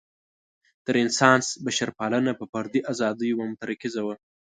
د رنسانس بشرپالنه په فردي ازادیو متمرکزه وه.